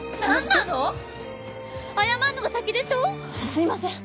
すいません。